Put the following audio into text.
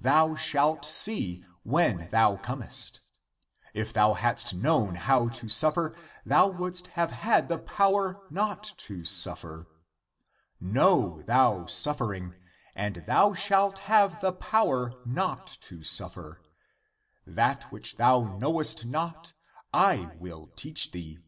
Thou shalt see, when thou comest. If thou hadst known how to suffer, thou wouldst have had (the power) not to suffer. Know thou suffer ing, and thou shalt have (the power) not to suffer. That which thou knowest not, I will teach thee.